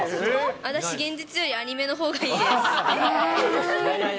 私、現実よりアニメのほうがいいです。